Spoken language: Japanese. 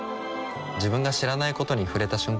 自分が知らないことに触れた瞬間